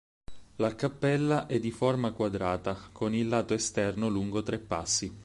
La cappella è di forma quadrata con il lato esterno lungo tre passi.